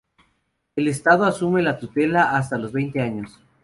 El Estado asume la tutela hasta los veinte años.